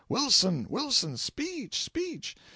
Wilson! Wilson! Speech! Speech!"